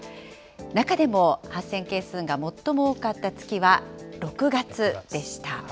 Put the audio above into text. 中でも発生件数が最も多かった月は６月でした。